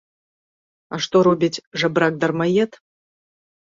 А што робіць жабрак-дармаед?